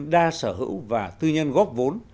đa sở hữu và tư nhân góp vốn